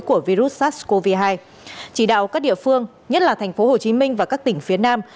của virus sars cov hai chỉ đạo các địa phương nhất là tp hcm và các tỉnh phía nam